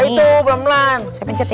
eh itu pelan pelan